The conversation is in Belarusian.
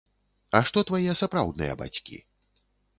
А што твае сапраўдныя бацькі?